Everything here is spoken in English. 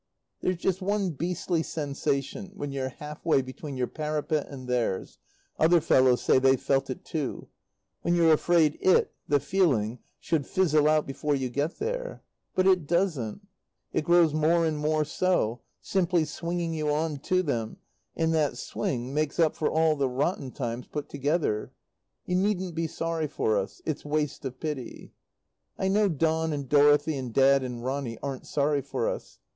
There's just one beastly sensation when you're half way between your parapet and theirs other fellows say they've felt it too when you're afraid it (the feeling) should fizzle out before you get there. But it doesn't. It grows more and more so, simply swinging you on to them, and that swing makes up for all the rotten times put together. You needn't be sorry for us. It's waste of pity. I know Don and Dorothy and Dad and Ronny aren't sorry for us.